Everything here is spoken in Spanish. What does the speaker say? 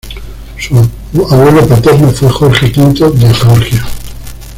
Su abuelo paterno fue Jorge V de Georgia.